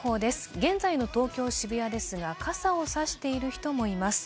現在の東京・渋谷ですが、傘を差している人もいます。